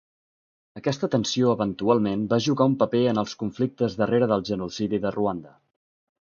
Aquesta tensió eventualment va jugar un paper en els conflictes darrere del genocidi de Ruanda.